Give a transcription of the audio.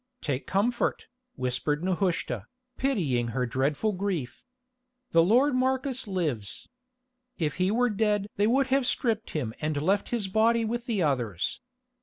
"Take comfort," whispered Nehushta, pitying her dreadful grief. "The lord Marcus lives. If he were dead they would have stripped him and left his body with the others.